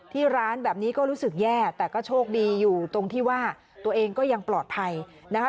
ที่ร้านแบบนี้ก็รู้สึกแย่แต่ก็โชคดีอยู่ตรงที่ว่าตัวเองก็ยังปลอดภัยนะคะ